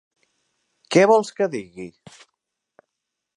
Què vols que digui?